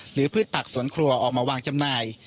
พืชผักสวนครัวออกมาวางจำหน่าย